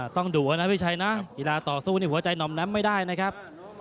ต้องดูนะพี่ชัยนะกีฬาต่อสู้นี่หัวใจหน่อมแน้มไม่ได้นะครับ